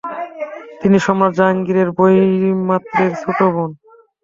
তিনি সম্রাট জাহাঙ্গীরের বৈমাত্রেয় ছোট বোন।